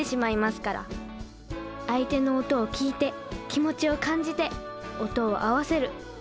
相手の音を聴いて気持ちを感じて音を合わせる。